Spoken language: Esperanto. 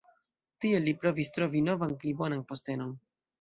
Tiel li provis trovi novan pli bonan postenon.